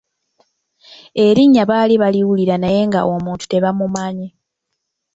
Erinnya baali baliwulira naye nga omuntu tebamumanyi.